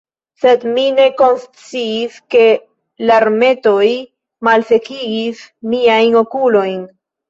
Sed mi ne konsciis, ke larmetoj malsekigis miajn okulojn.